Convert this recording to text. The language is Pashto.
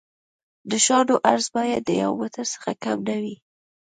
د شانو عرض باید د یو متر څخه کم نه وي